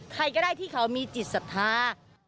ใครก็ได้ที่เขามีจิตศรัทธา